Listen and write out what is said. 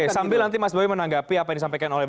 oke sambil nanti mas bayu menanggapi apa yang disampaikan oleh